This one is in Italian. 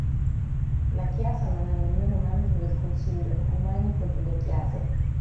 La Chiesa non è nemmeno membro del Consiglio ecumenico delle Chiese.